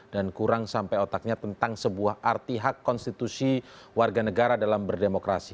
dan kurang sampai otaknya tentang sebuah arti hak konstitusi warga negara dalam berdemokrasi